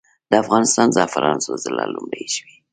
د افغانستان زعفران څو ځله لومړي شوي؟